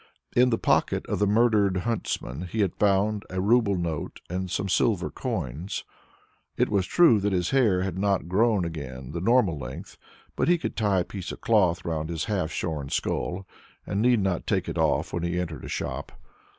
In the pocket of the murdered huntsman he had found a rouble note and some silver coins. It was true that his hair had not grown again the normal length, but he could tie a piece of cloth round his half shorn skull; and need not take it off when he entered a shop.